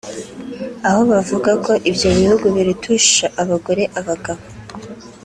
aho bavuga ko ibyo bihugu birutisha abagore abagabo